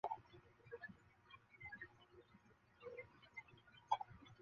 克雷默在第二次世界大战期间曾是一名伞兵中尉。